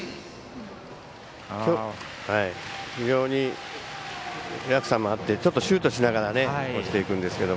非常に落差もあってちょっとシュートしながら落ちていくんですけど。